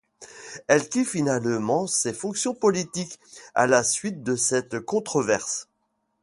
Elle quitte finalement ses fonctions politiques, à la suite de cette controverse.